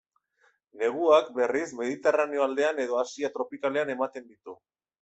Neguak, berriz, Mediterraneo aldean edo Asia tropikalean ematen ditu.